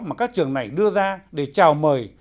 mà các trường này đưa ra để chào mời